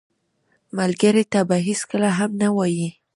ملګری ته به هېڅکله هم نه وایې